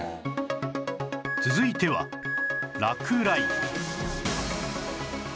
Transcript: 続いては落雷